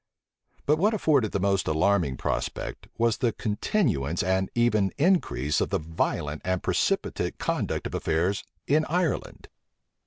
But what afforded the most alarming prospect, was the continuance and even increase of the violent and precipitate conduct of affairs in Ireland.